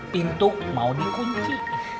pintu mau dikunci